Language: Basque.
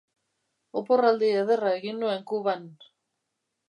Oporraldi ederra egin nuen Kuban